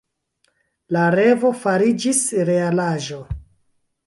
La revo fariĝis realaĵo.